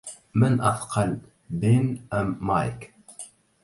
من أثقل بِن أم مايك؟